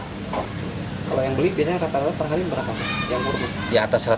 kalau yang beli biasanya rata rata per hari berapa pak